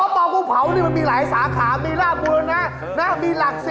เพราะปกุ้งเผานี่มันมีหลายสาขามีร่างมูลนะน่ะมีหลักสี่